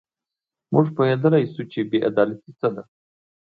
موږ پوهېدلای شو چې بې عدالتي څه ده.